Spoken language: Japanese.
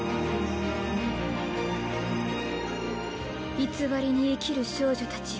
偽りに生きる少女たちよ。